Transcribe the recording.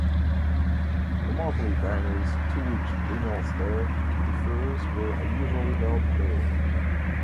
The monthly dinners to which Linnell's letter refers were usually held there.